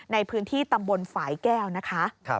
ในพื้นที่ตำบลฝ่ายแก้วนะคะ